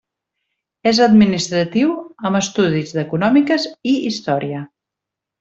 És administratiu, amb estudis d'Econòmiques i Història.